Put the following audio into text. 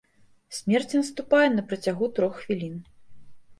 Смерць наступае на працягу трох хвілін.